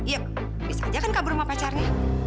ya bisa aja kan kabur sama pacarnya